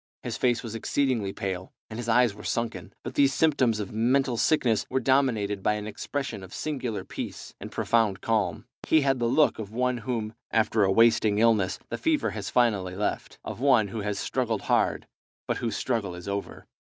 His face was exceedingly pale, and his eyes were sunken. But these symptoms of mental sickness were dominated by an expression of singular peace and profound calm. He had the look of one whom, after a wasting illness, the fever has finally left; of one who has struggled hard, but whose struggle is over.